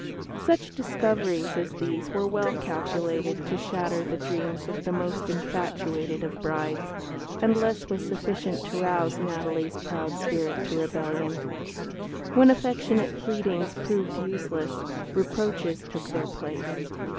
Such discoveries as these were well calculated to shatter the dreams of the most infatuated of brides, and less was sufficient to rouse Natalie's proud spirit to rebellion. When affectionate pleadings proved useless, reproaches took their place.